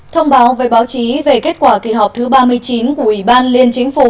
thông báo với báo chí về kết quả kỳ họp thứ ba mươi chín của ủy ban liên chính phủ